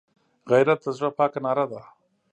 غیرت د زړه پاکه ناره ده